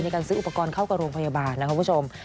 ในการซื้ออุปกรณ์เข้ากับโรงพยาบาลนะครับคุณผู้ชม